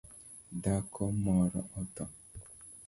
Dhako moro otho